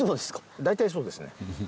大体そうですね。